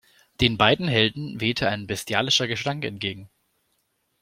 Den beiden Helden wehte ein bestialischer Gestank entgegen.